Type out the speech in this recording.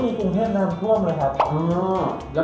มีกรุงเท่านั้นทรวมเลยครับ